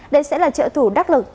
đây sẽ là trợ thủ đắc lực